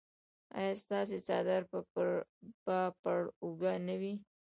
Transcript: ایا ستاسو څادر به پر اوږه نه وي؟